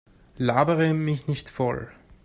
Labere mich nicht voll.